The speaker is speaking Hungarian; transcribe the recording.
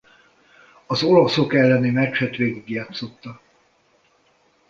Az olaszok elleni meccset végigjátszotta.